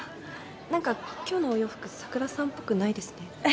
何か今日のお洋服桜さんっぽくないですね。